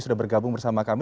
sudah bergabung bersama kami